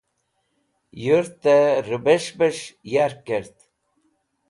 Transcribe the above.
Yũrt ri bes̃h bes̃h yark kẽt.